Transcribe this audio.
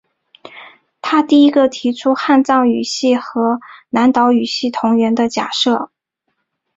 他第一个提出汉藏语系和南岛语系同源的假设。